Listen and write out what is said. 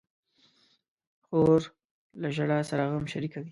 خور له ژړا سره غم شریکوي.